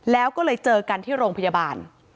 แล้วก็เลยเจอกันที่โรงพยาบาล